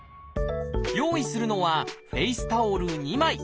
用意するのはフェイスタオル２枚。